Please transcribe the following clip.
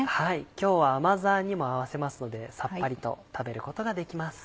今日は甘酢あんにも合わせますのでさっぱりと食べることができます。